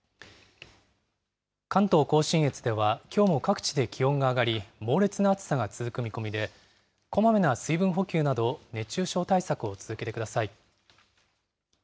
関東甲信越ではきょうも各地で気温が上がり、猛烈な暑さが続く見込みで、こまめな水分補給など、熱中症対策を続けてください。